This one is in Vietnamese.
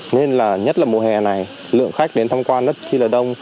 nên là nhất là mùa hè này lượng khách đến tham quan rất là đông